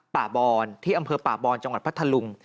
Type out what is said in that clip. ป่าบรที่อำเภอป่าบรจังหวัดพัฒนธรรม